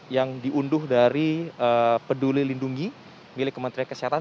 yang diunduh dari peduli lindungi milik kementerian kesehatan